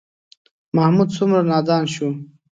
محمود څومره نادان شو.